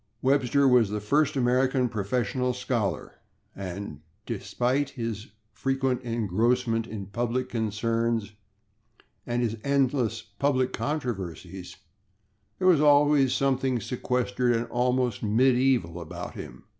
Webster was the first American professional scholar, and despite his frequent engrossment in public concerns and his endless public controversies, there was always something sequestered and almost medieval about him.